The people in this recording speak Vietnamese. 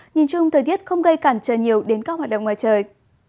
nhìn chung thời tiết không gây cản trở nhiều đến các hoạt động ngoài trời